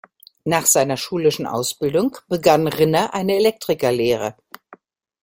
Nach seiner schulischen Ausbildung begann Rinner eine Elektriker-Lehre.